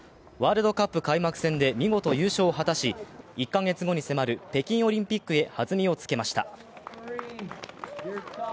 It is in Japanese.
ワールドカップ開幕戦で見事優勝を果たし、１カ月後に迫る北京オリンピックへはずみをつけました。